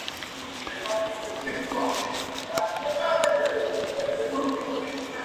De este primer estilo románico sólo queda la portada esculpida por dos artistas.